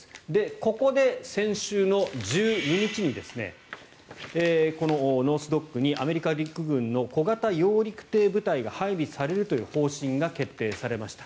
ここで先週の１２日にこのノース・ドックにアメリカ陸軍の小型揚陸艇部隊が配備されるという方針が決定されました。